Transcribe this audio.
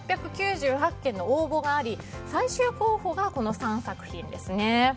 １８９８件の応募があり最終候補がこの３作品ですね。